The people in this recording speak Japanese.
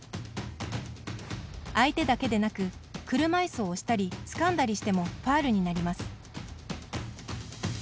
相手だけでなく、車いすを押したり、つかんだりしてもファウルになります。